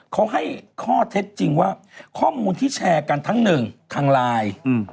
เขาให้ข้อเท็จจริงว่าข้อมูลที่แชร์กันทั้งหนึ่งทางไลน์